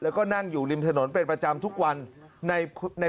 แต่ตอนนี้ติดต่อน้องไม่ได้